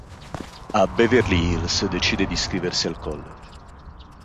A Beverly Hills, decide di iscriversi al college.